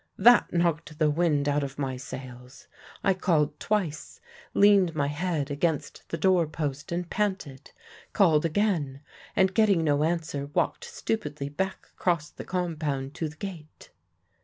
That knocked the wind out of my sails. I called twice, leaned my head against the door post and panted; called again, and, getting no answer, walked stupidly back across the compound to the gate.